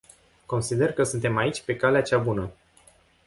Consider că suntem aici pe calea cea bună.